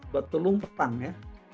batu lumpang ya